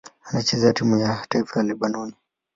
Anachezea timu ya taifa ya Lebanoni.